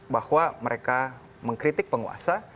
bahwa mereka mengkritik penguasa